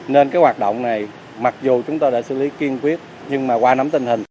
nên cái hoạt động này mặc dù chúng tôi đã xử lý kiên quyết nhưng mà qua nắm tình hình